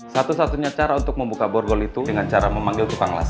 satu satunya cara untuk membuka borgol itu dengan cara memanggil tukang las